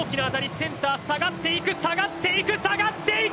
センター下がっていく、下がっていく！